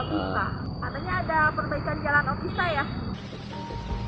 artinya ada perbaikan jalan otista ya